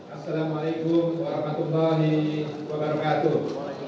assalamualaikum warahmatullahi wabarakatuh